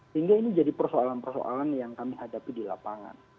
sehingga ini jadi persoalan persoalan yang kami hadapi di lapangan